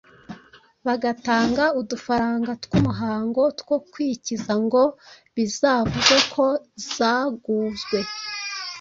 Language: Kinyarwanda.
Bagatanga udufaranga tw'umuhango, two kwikiza ngo bizavugwe ko zaguzwe.